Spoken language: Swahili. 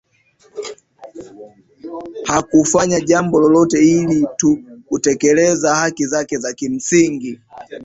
hakufanya jambo lolote ila tu kutekeleza haki zake za kimsingi